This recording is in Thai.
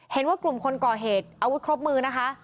เห็นว่ากลุ่มคนก่อเหตุอาวุธครบมือนะคะ